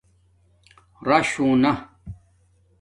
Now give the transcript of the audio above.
رش ہونا